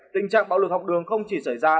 tình trạng bạo lực học đường không chỉ xảy ra